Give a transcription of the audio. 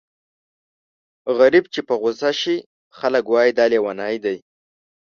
غريب چې په غوسه شي خلک وايي دا لېونی دی.